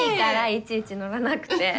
いちいち乗らなくて。